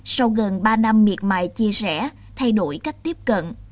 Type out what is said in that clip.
sau gần ba năm miệt mài chia sẻ thay đổi cách tiếp cận